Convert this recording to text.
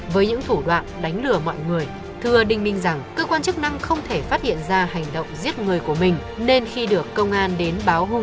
với những thủ đoạn đánh lừa mọi người thưa đình minh rằng cơ quan chức năng không thể phát hiện ra hành động giết người của mình